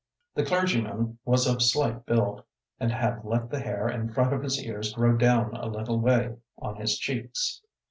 The clergyman was of slight build, and had let the hair in front of his ears grow down a little way on his cheeks.